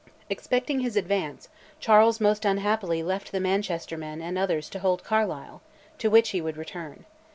Expecting his advance, Charles most unhappily left the Manchester men and others to hold Carlisle, to which he would return.